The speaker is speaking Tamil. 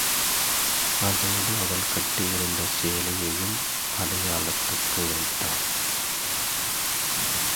அதோடு அவள் கட்டியிருந்த சேலையையும் அடையாளத்துக்கு வைத்தாள்.